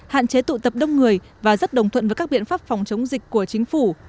hạn chế tụ tập đông người và rất đồng thuận với các biện pháp phòng chống dịch của chính phủ